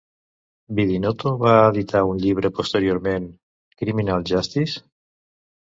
Bidinotto va editar un llibre posteriorment, "Criminal Justice?"